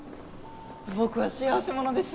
僕は幸せ者です